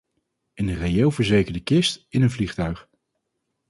In een reële verzekerde kist, in een vliegtuig.